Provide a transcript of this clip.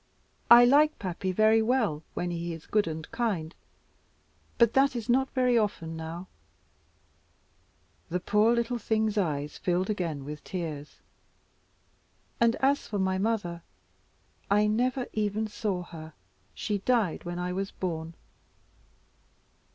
I like Pappy very well when he is good and kind, but that is not very often now" the poor little thing's eyes filled again with tears, "and as for my mother, I never even saw her; she died when I was born."